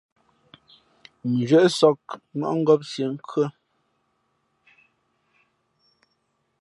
Mʉnzhwě sāk, mmάʼ ngāp siē , nkhʉ́ά.